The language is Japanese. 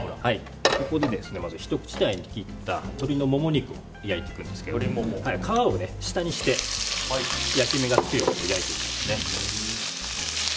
ここでひと口大に切った鶏のモモ肉を焼いていくんですけど皮を下にして焼き目がつくように焼いていきます。